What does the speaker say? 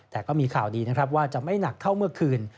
แต่ก็มีข่าวดีนะครับว่าจะไม่หนักเท่าเมื่อคืน